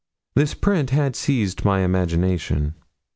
This print had seized my imagination.